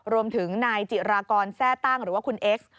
รวมถึงนายจิรากรแทร่ตั้งหรือว่าคุณเอ็กซ์